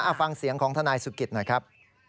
เอาฟังเสียงของทนายสุกิตหน่อยครับ